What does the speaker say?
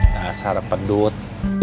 nah sarap pendut